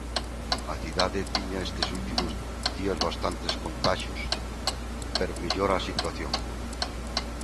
A cidade tiña estes últimos días bastantes contaxios, pero mellora a situación.